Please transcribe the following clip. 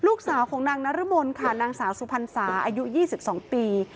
ลูกสาวของนางนรมนค่ะนางสาวสุพรรณสาอายุ๒๒ปี